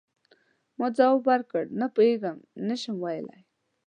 ما ځواب ورکړ: نه پوهیږم، نه شم ویلای.